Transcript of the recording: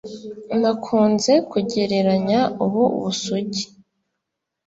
nakunze kugereranya ubu busugi